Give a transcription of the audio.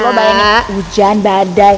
lo bayangin hujan badai